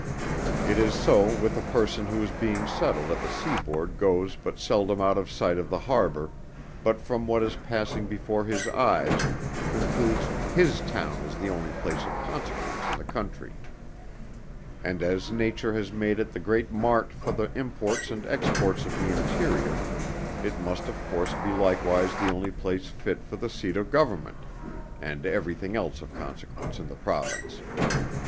It is so with a person who being settled at the seaboard goes but seldom out of sight of the harbor, but from what is passing before his eyes, concludes his town is the only place of consequence in the country; and as nature has made it the great mart for the imports and exports of the interior, it must of course be likewise the only place fit for the Seat of Government, and every thing else of consequence in the Province.